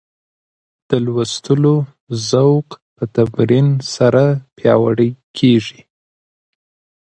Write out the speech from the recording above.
د لوستلو ذوق په تمرین سره پیاوړی کیږي.